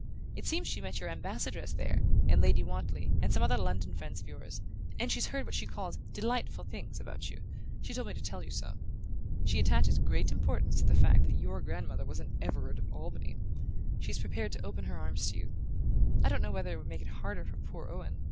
It seems she met your Ambassadress there, and Lady Wantley, and some other London friends of yours, and she's heard what she calls 'delightful things' about you: she told me to tell you so. She attaches great importance to the fact that your grandmother was an Everard of Albany. She's prepared to open her arms to you. I don't know whether it won't make it harder for poor Owen